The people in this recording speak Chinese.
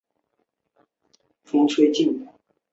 博登县位美国德克萨斯州埃斯塔卡多平原边缘的一个县。